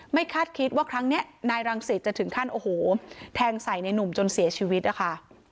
คาดคิดว่าครั้งนี้นายรังสิตจะถึงขั้นโอ้โหแทงใส่ในหนุ่มจนเสียชีวิตนะคะ